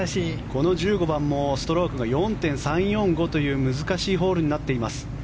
この１５番もストロークが４．３４５という難しいホールになっています。